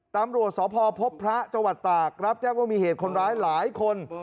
ตามรัวสอบภพพระจัวร์ตากรับแจ้งว่ามีเหตุคนร้ายหลายคน